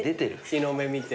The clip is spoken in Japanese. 日の目見て。